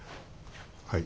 はい。